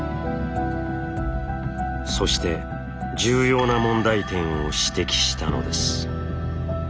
そして重要な問題点を指摘したのです。